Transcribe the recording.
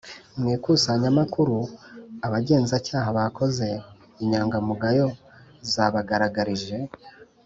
Mu ikusanyamakuru abagenzacyaha bakoze, inyangamugayo zabagaragarije